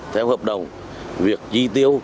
theo hợp đồng việc chi tiêu